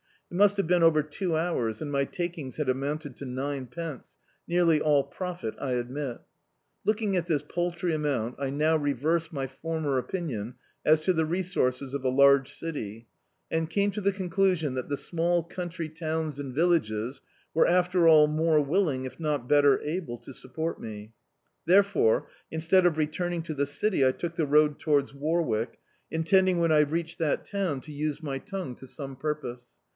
It must have been over two hours and my takings had amounted to ninepence, nearly all profit I admit Looking at this paltiy amount I now reversed my former opinion as to the resources of a large city, and came to the exclusion that the small country towns and villages were after all more willing, if not bet ter able, to support me. Therefore, instead of re turning to the city I took the road towards Warwick, intending when I readied that town to use my tongue to some purpose.